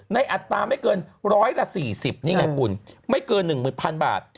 อัตราไม่เกินร้อยละ๔๐นี่ไงคุณไม่เกิน๑๐๐๐บาท